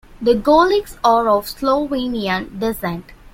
The Golics are of Slovenian descent.